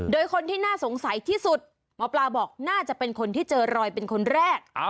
โดยคนที่น่าสงสัยที่สุดหมอปลาบอกน่าจะเป็นคนที่เจอรอยเป็นคนแรก